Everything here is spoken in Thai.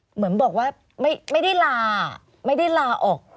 เหมือนบอกว่าไม่ได้ลาออก